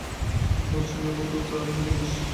তুই প্রশ্নের মধ্যে উত্তর আছে বলিস!